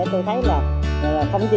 tôi thấy là không chi